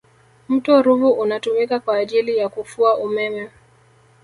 mto ruvu unatumika kwa ajili ya kufua umeme